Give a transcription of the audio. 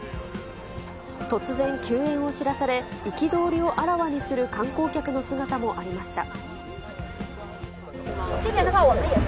突然、休園を知らされ、憤りをあらわにする観光客の姿もありました。